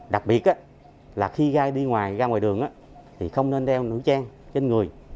đặc biệt là khi ra đi ngoài ra ngoài đường thì không nên đeo nữ trang trên người